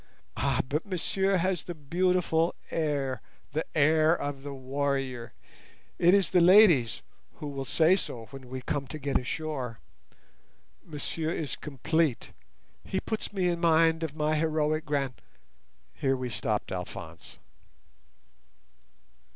"Ah! but Monsieur has the beautiful air—the air of the warrior. It is the ladies who will say so when we come to get ashore. Monsieur is complete; he puts me in mind of my heroic grand—" Here we stopped Alphonse.